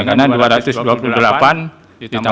karena dua ratus dua puluh orang yang menggunakan hpd ini